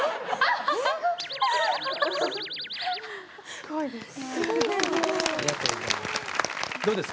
すごいです。